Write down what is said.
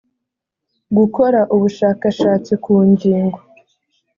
gukora ubushakashatsi ku ngingo